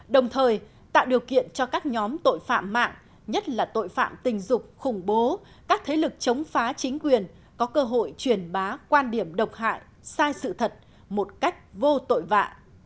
đồng thời tạo điều kiện cho các nhóm tội phạm mạng nhất là tội phạm tình dục khủng bố các thế lực chống phá chính quyền có cơ hội truyền bá quan điểm độc hại sai sự thật một cách vô tội vạ